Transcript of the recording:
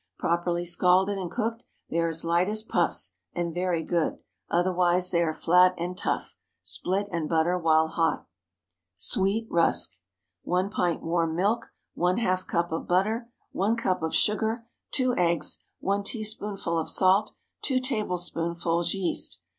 Properly scalded and cooked, they are light as puffs, and very good; otherwise they are flat and tough. Split and butter while hot. SWEET RUSK. ✠ 1 pint warm milk. ½ cup of butter. 1 cup of sugar. 2 eggs. 1 teaspoonful of salt. 2 tablespoonfuls yeast.